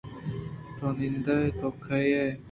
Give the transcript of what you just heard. تو نِند ئے ءُ تو کے ئے